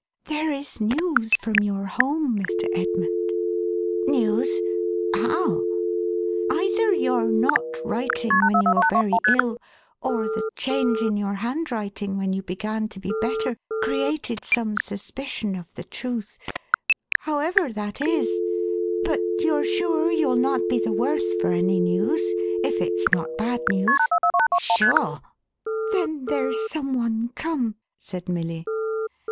"There is news from your home, Mr. Edmund." " News ? How ?" "Either your not writing when you were very ill, or the change in your handwriting when you began to be better, created some suspicion of the truth ; however that is but you're sure you'll not be the worse for any news, if it's not bad news?" " Sure." "Then there's some one come!" said Milly.